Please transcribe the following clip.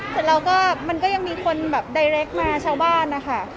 เสร็จแล้วก็มันก็ยังมีคนแบบใดเล็กมาชาวบ้านนะคะ